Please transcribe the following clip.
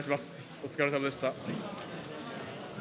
お疲れさまでした。